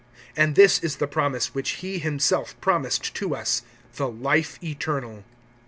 (25)And this is the promise which he himself promised to us, the life eternal.